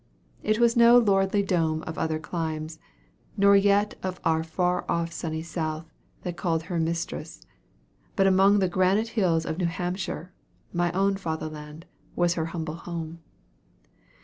It was no lordly dome of other climes, nor yet of our far off sunny south, that called her mistress; but among the granite hills of New Hampshire (my own father land) was her humble home.